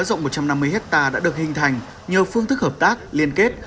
rộng một trăm năm mươi hectare đã được hình thành nhờ phương thức hợp tác liên kết